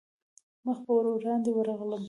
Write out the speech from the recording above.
مخ پر وړاندې ورغلم.